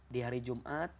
di hari jumat